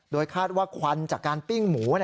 คาดว่าควันจากการปิ้งหมู